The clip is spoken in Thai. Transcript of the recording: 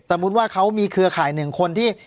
มุติว่าเขามีเครือข่ายหนึ่งคนที่